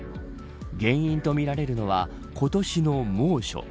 原因とみられるのは今年の猛暑。